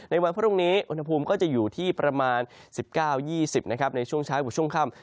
วันพรุ่งนี้อุณหภูมิก็จะอยู่ที่ประมาณ๑๙๒๐นะครับในช่วงเช้ากับช่วงค่ำ